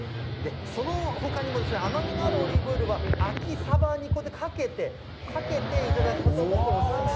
そのほかにも、甘みのあるオリーブオイルは秋サバにこうやってかけて、かけて頂きますことが。